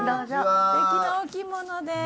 すてきなお着物で。